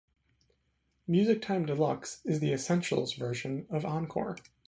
MusicTime Deluxe is the 'essentials' version of Encore.